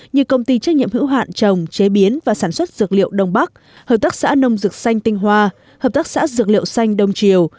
như công ty trách nhiệm hữu hạn trồng chế biến và sản xuất dược liệu đông bắc hợp tác xã nông dược xanh tinh hoa hợp tác xã dược liệu xanh đông triều